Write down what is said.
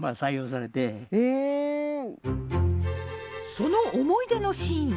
その思い出のシーン